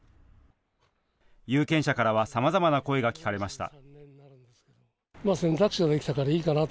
有権者からはさまざまな声が聞かれました。